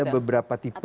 ada beberapa tipe